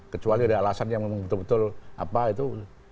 kecuali ada alasan yang memang betul betul apa itu